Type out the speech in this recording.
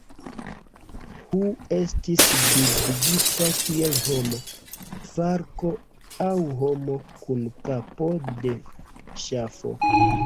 Hu estis bildigita kiel homo, falko aŭ homo kun kapo de ŝafo.